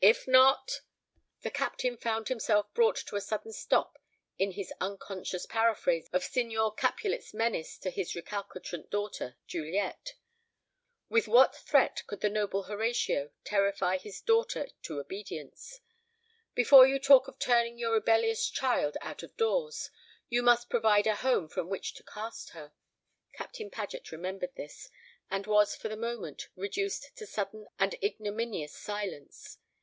If not " The Captain found himself brought to a sudden stop in his unconscious paraphrase of Signor Capulet's menace to his recalcitrant daughter, Juliet. With what threat could the noble Horatio terrify his daughter to obedience? Before you talk of turning your rebellious child out of doors, you must provide a home from which to cast her. Captain Paget remembered this, and was for the moment reduced to sudden and ignominious silence.